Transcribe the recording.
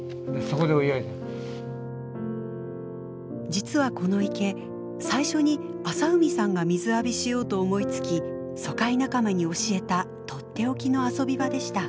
実はこの池最初に浅海さんが水浴びしようと思いつき疎開仲間に教えたとっておきの遊び場でした。